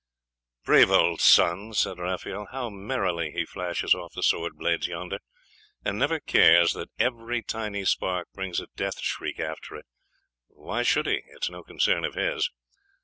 'Brave old Sun!' said Raphael, 'how merrily he flashes off the sword blades yonder, and never cares that every tiny spark brings a death shriek after it! Why should he? It is no concern of his.